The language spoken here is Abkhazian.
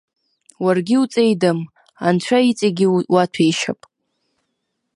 Уаргьы уҵеидам, анцәа иҵегьгьы уаҭәеишьап.